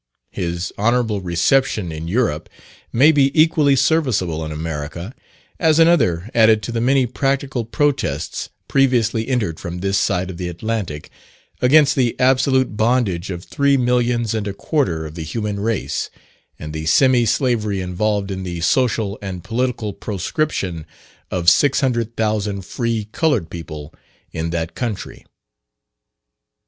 His honourable reception in Europe may be equally serviceable in America, as another added to the many practical protests previously entered from this side of the Atlantic, against the absolute bondage of three millions and a quarter of the human race, and the semi slavery involved in the social and political proscription of 600,000 free coloured people in that country.